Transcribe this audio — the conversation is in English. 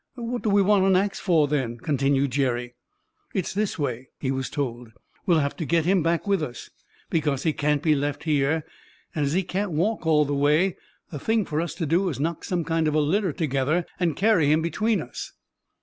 "What do we want an ax for, then?" continued Jerry. "It's this way," he was told: "we'll have to get him back with us, because he can't be left here. And as he can't walk all the way, the thing for us to do is to knock some kind of a litter together and carry him between us."